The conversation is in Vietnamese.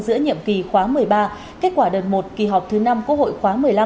giữa nhiệm kỳ khóa một mươi ba kết quả đợt một kỳ họp thứ năm quốc hội khóa một mươi năm